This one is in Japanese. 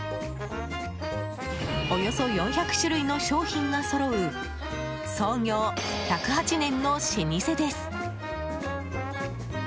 およそ４００種類の商品がそろう創業１０８年の老舗です。